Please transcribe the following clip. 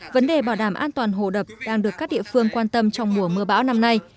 vấn đề bảo đảm an toàn hồ đập đang được các địa phương quan tâm trong mùa mưa bão năm nay